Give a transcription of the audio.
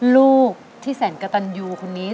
ลูกที่แสนกระตันยูคนนี้